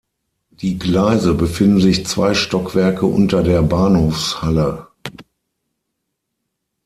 Die Gleise befinden sich zwei Stockwerke unter der Bahnhofshalle.